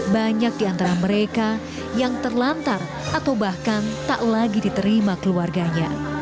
banyak di antara mereka yang terlantar atau bahkan tak lagi diterima keluarganya